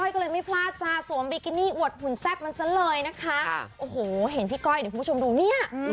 ก็เลยไม่พลาดจ้าสวมบิกินี่อวดหุ่นแซ่บมันซะเลยนะคะโอ้โหเห็นพี่ก้อยเดี๋ยวคุณผู้ชมดูเนี่ย